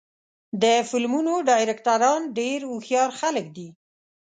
د فلمونو ډایرکټران ډېر هوښیار خلک دي.